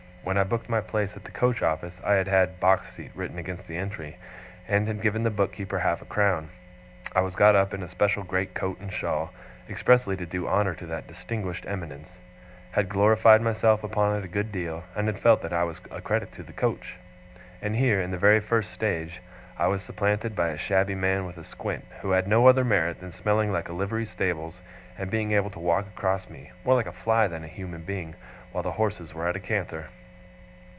When I booked my place at the coach office I had had 'Box Seat' written against the entry, and had given the book keeper half a crown. I was got up in a special great coat and shawl, expressly to do honour to that distinguished eminence; had glorified myself upon it a good deal; and had felt that I was a credit to the coach. And here, in the very first stage, I was supplanted by a shabby man with a squint, who had no other merit than smelling like a livery stables, and being able to walk across me, more like a fly than a human being, while the horses were at a canter!